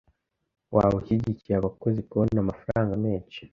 Waba ushigikiye abakozi kubona amafaranga menshi?